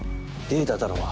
データだろう。